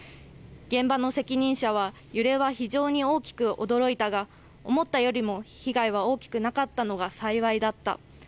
現場の責任者は揺れは非常に大きく驚いたが思ったよりも被害は大きくなかったのが幸いだった。